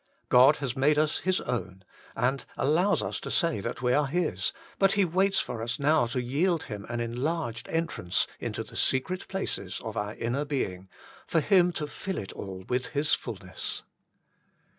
God has made us His own, and allows us to say that we are His : but He waits for us now to yield Him an enlarged entrance into the secret places of our inner being, for Him to fill it all with His fulness.